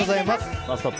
「ノンストップ！」